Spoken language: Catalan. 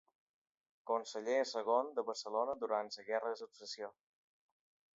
Conseller segon de Barcelona durant la Guerra de Successió.